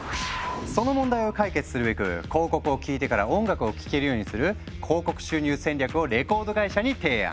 その問題を解決するべく広告を聞いてから音楽を聴けるようにする「広告収入戦略」をレコード会社に提案。